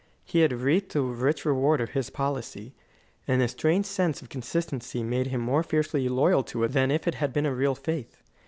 He had reaped a rich reward of his policy, and a strange sense of consistency made him more fiercely loyal to it than if it had been a real faith.